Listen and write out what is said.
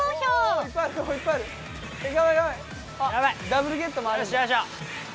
ダブルゲットもあるんだ。